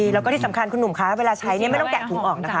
แล้วก็ที่สำคัญคุณหนุ่มคะเวลาใช้ไม่ต้องแกะถุงออกนะคะ